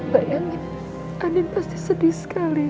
bayangin kandin pasti sedih sekali